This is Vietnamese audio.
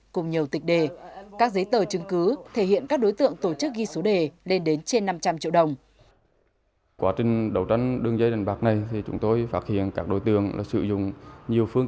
cùng nhiều tịch đề các giấy tờ chứng cứ thể hiện các đối tượng tổ chức ghi số đề lên đến trên năm trăm linh triệu đồng